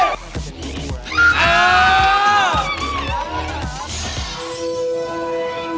อ้าว